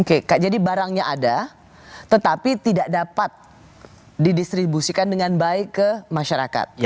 oke jadi barangnya ada tetapi tidak dapat didistribusikan dengan baik ke masyarakat